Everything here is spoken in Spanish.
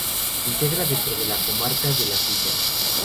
Se integra dentro de la comarca de Las Villas.